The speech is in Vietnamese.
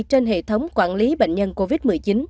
trên hệ thống quản lý bệnh nhân covid một mươi chín